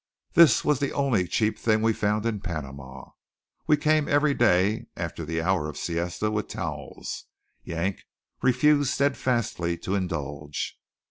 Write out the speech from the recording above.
This was the only cheap thing we found in Panama. We came every day, after the hour of siesta with towels. Yank refused steadfastly to indulge.